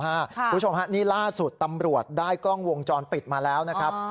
คุณผู้ชมฮะนี่ล่าสุดตำรวจได้กล้องวงจรปิดมาแล้วนะครับ